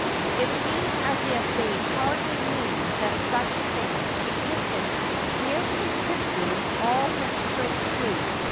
It seemed as if they hardly knew that such things existed. Their contributors all went straight through.